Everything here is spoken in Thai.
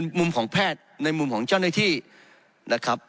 มุมของแพทย์ในมุมของเจ้าหน้าที่นะครับ